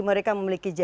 mereka memiliki jadwal